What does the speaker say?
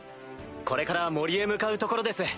これから森へ向かうところです。